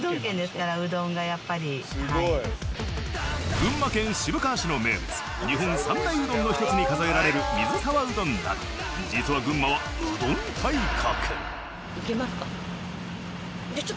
群馬県渋川市の名物日本三大うどんの一つに数えられる水沢うどんなど実は群馬はうどん大国。